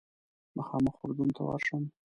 مخامخ اردن ته ورشم.